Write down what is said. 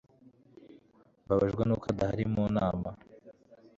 Mbabajwe nuko adahari mu nama